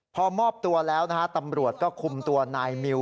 พอมอบตัวแล้วนะฮะตำรวจก็คุมตัวนายมิว